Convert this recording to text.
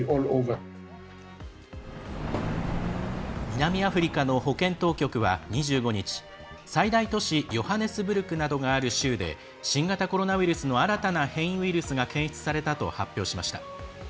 南アフリカの保健当局は２５日最大都市ヨハネスブルクなどがある州で新型コロナウイルスの新たな変異ウイルスが検出されたと発表しました。